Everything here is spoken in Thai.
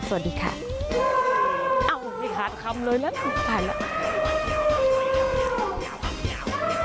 สวัสดีค่ะ